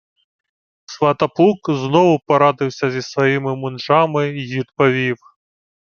Сватоплук знову порадився зі своїми «мунжами» й відповів: